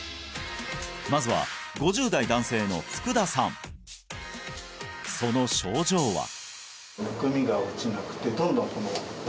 まずは５０代男性の福田さんその症状は？